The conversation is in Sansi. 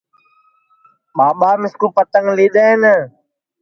ٻاٻا مِسکُو پتنٚگ لی دؔئین